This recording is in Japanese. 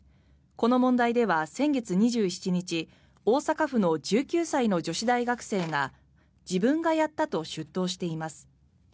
この問題では先月２７日大阪府の１９歳の女子大学生が自分がやったと出頭しています。